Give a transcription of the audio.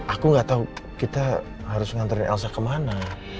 aku gak tau kita harus nganterin elsa kemana